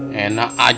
ya pak haji